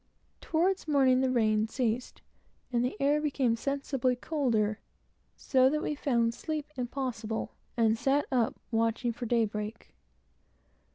Toward morning, the rain ceased, and the air became sensibly colder, so that we found sleep impossible, and sat up, watching for daybreak.